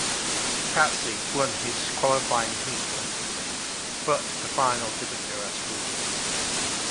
Patsy won his qualifying heat comfortably, but the final didn't go as smoothly.